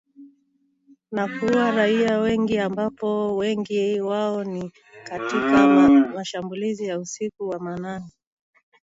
Na kuua raia wengi ambapo wengi wao ni katika mashambulizi ya usiku wa manane